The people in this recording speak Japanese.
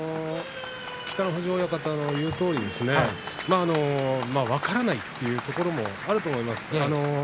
北の富士親方の言うとおり分からないというところもあると思います。